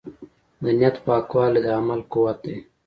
د نیت پاکوالی د عمل قوت دی.